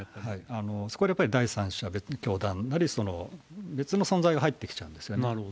そこでやっぱり第三者、教団なり、別の存在が入ってきちゃうんですよね。